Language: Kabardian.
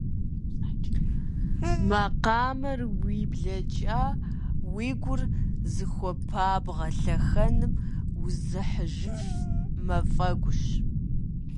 Макъамэр уи блэкӏа, уи гур зыхуэпабгъэ лъэхъэнэм узыхьыжыф мафӏэгущ.